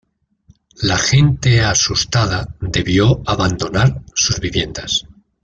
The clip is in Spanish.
La gente asustada debió abandonar sus viviendas.